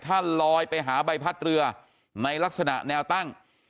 ถ้าลอยไปหาใบพัดเรือในลักษณะแนวตั้ง